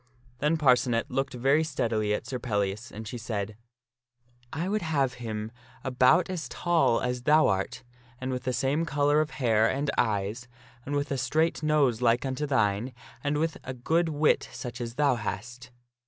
Then Parcenet looked very steadily at Sir Pellias, and she said, " I would have him about as tall as thou art, and with the same color of hair and eyes, and with a straight nose like unto thine, and with a good wit such as thou hast."